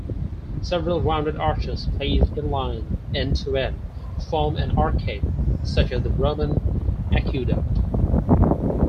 Several rounded arches placed in-line, end-to-end, form an arcade, such as the Roman aqueduct.